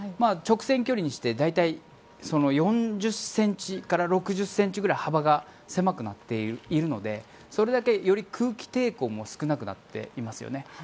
直線距離でいって大体４０ｃｍから６０ｃｍくらい幅が狭くなっているのでそれだけ、より空気抵抗も少なくなっていますよね。